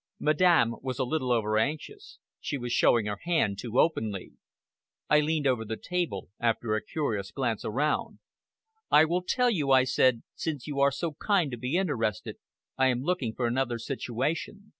Madame was a little over anxious. She was showing her hand too openly. I leaned over the table, after a cautious glance around. "I will tell you," I said, "since you are so kind as to be interested. I am looking for another situation.